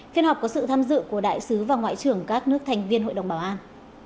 phiên họp có sự tham dự của đại sứ và ngoại trưởng các nước thành viên hội đồng bảo an